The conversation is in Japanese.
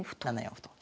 ７四歩と。